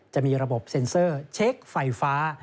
จะมีระบบเซ็นเซอร์เช็คไฟฟ้า